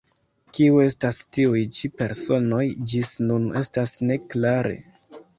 Kiu estas tiuj ĉi personoj, ĝis nun estas ne klare.